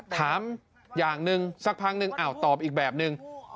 ถามอย่างหนึ่งสักพักนึงตอบอีกแบบนึง